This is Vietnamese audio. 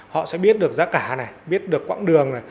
họ sẽ biết được giá cả biết được quãng đường